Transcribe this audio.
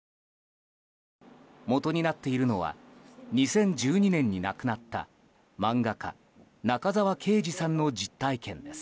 もとになっているのは２０１２年に亡くなった漫画家中沢啓治さんの実体験です。